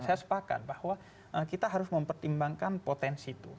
saya sepakat bahwa kita harus mempertimbangkan potensi itu